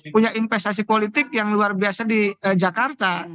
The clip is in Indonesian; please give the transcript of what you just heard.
punya investasi politik yang luar biasa di jakarta